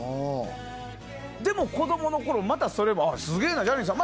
でも、子供のころまた思ったのはすげえな、ジャニーさんと。